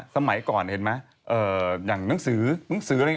สมัยก่อนเห็นมั้ยอย่างหนังสือ